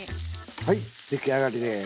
はい出来上がりです。